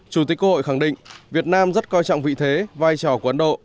chủ tịch quốc hội khẳng định việt nam rất coi trọng vị thế vai trò của ấn độ